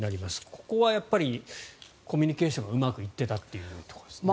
ここはコミュニケーションがうまくいっていたというところですね。